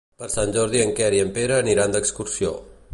Per Sant Jordi en Quer i en Pere aniran d'excursió.